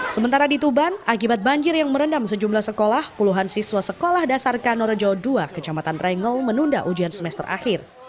sementara di tuban akibat banjir yang merendam sejumlah sekolah puluhan siswa sekolah dasar kanorejo ii kecamatan rengel menunda ujian semester akhir